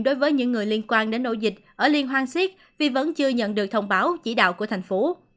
đối với những người liên quan đến ổ dịch ở liên hoan siết vì vẫn chưa nhận được thông báo chỉ đạo của thành phố